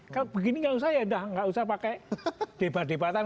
kalau begini nggak usah ya udah nggak usah pakai debat debatan